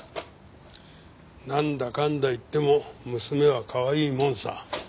なんだかんだ言っても娘はかわいいもんさ。